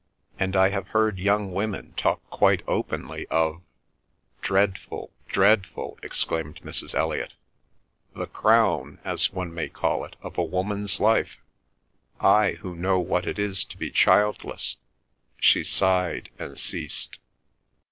And I have heard young women talk quite openly of—" "Dreadful, dreadful!" exclaimed Mrs. Elliot. "The crown, as one may call it, of a woman's life. I, who know what it is to be childless—" she sighed and ceased.